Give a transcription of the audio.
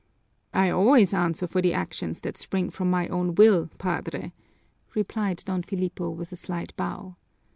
"I always answer for the actions that spring from my own will, Padre," replied Don Filipo with a slight bow.